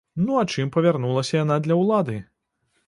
Ну а чым павярнулася яна для ўлады?